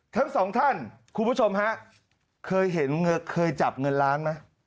ทั้งสองท่านคุณผู้ชมฮะเคยเห็นเคยจับเงินล้านไหม